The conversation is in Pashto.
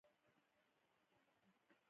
هند د ډیموکراسۍ یوه لویه بیلګه ده.